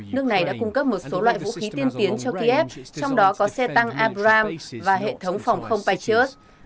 nước này đã cung cấp một số loại vũ khí tiên tiến cho kiev trong đó có xe tăng abram và hệ thống phòng không patriot